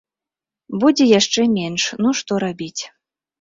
Будзе яшчэ менш, ну што рабіць.